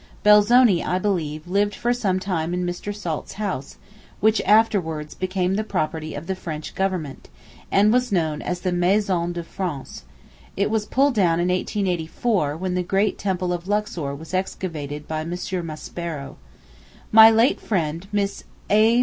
Belzoni, I believe, lived for some time in Mr. Salt's house, which afterwards became the property of the French Government, and was known as the Maison de France; it was pulled down in 1884 when the great temple of Luxor was excavated by M. Maspero. My late friend Miss A.